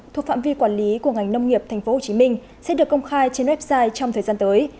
thuộc phạm vi quản lý của ngành nông nghiệp tp hcm sẽ được công khai trên website trong thời gian tới